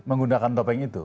menggunakan topeng itu